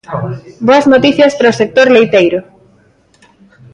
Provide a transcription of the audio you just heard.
Boas noticias para o sector leiteiro.